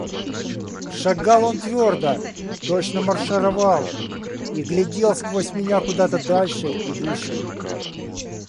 Шагал он твердо, точно маршировал, и глядел сквозь меня куда-то дальше и выше.